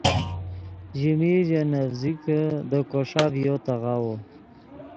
ژے میر ژے نڤزیکے دے کوݰا ڤیو تے غاوو